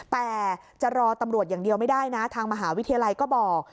แต่จะรอตำรวจอย่างเดียวไม่ได้นะทางมหาวิทยาลัยก็บอก